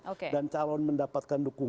oke dan cari rekomendasi itu yang terbukti